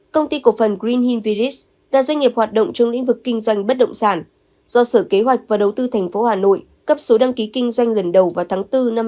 công ty cổ phần green hill village đã doanh nghiệp hoạt động trong lĩnh vực kinh doanh bất động sản do sở kế hoạch và đầu tư thành phố hà nội cấp số đăng ký kinh doanh lần đầu vào tháng bốn năm hai nghìn một mươi tám